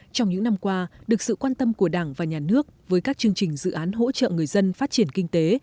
trong những năm qua được sự quan tâm của đảng và nhà nước với các chương trình dự án hỗ trợ người dân phát triển kinh tế